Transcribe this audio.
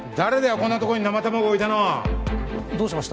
こんなとこに生卵どうしました？